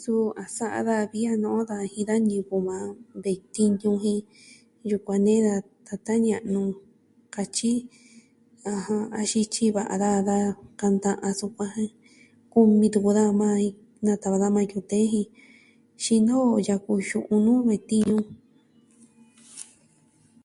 Suu, a sa'a daja vi a no'o daja jin da ñivɨ yukuan ve'i tiñu jin yukuan ni da tata ña'nu katyi, ɨjɨn axin tyiva'a daja da kanta a sukuan jen kumi tuku daja majan jen natava daja majan yute jin xinoo yaku yu'u nuu ve'i tiñu.